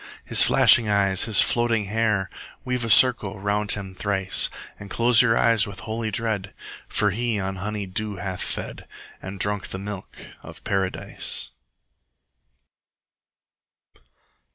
His flashing eyes, his floating hair! 50 Weave a circle round him thrice, And close your eyes with holy dread, For he on honey dew hath fed, And drunk the milk of Paradise.